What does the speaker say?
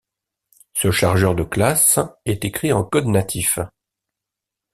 Ce chargeur de classe est écrit en code natif.